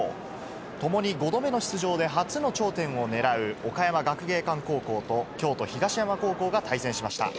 ともに５度目の出場で初の頂点を狙う岡山学芸館高校と京都・東山高校が対戦しました。